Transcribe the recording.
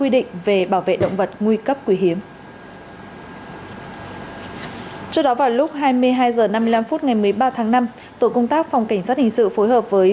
trước đó vào lúc hai mươi hai h năm mươi năm phút ngày một mươi ba tháng năm tổ công tác phòng cảnh sát hình sự phối hợp với